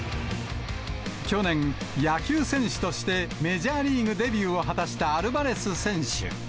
去年、野球選手としてメジャーリーグデビューを果たしたアルバレス選手。